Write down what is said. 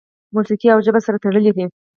موسیقي او ژبه سره تړلي دي.